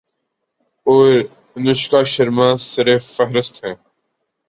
اور انوشکا شرما سرِ فہرست ہیں